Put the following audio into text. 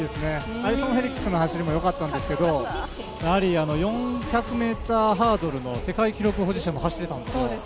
アリソン・フェリックスの走りも良かったんですけどやはり４００ｍハードルの世界記録保持者も走っていたんですよ。